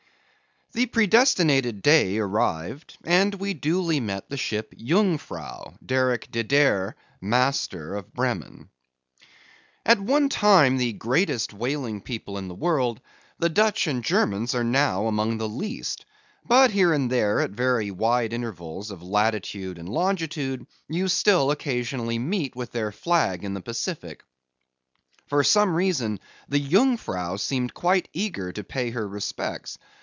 The predestinated day arrived, and we duly met the ship Jungfrau, Derick De Deer, master, of Bremen. At one time the greatest whaling people in the world, the Dutch and Germans are now among the least; but here and there at very wide intervals of latitude and longitude, you still occasionally meet with their flag in the Pacific. For some reason, the Jungfrau seemed quite eager to pay her respects.